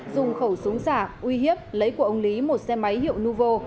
dùng khẩu súng giả uy hiếp lấy của ông lý một xe máy hiệu nuvo